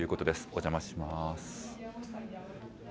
お邪魔します。